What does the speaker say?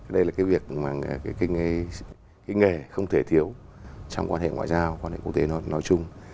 đây là cái nghề không thể thiếu trong quan hệ ngoại giao quan hệ quốc tế nói chung